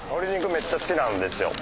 めっちゃ好きなんですよ。